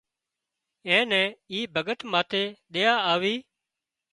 اين نين اي ڀڳت ماٿي ۮيا آوي